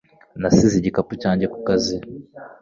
Nasize igikapu cyanjye ku kazi